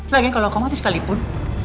lagian kalau kau mati sekalipun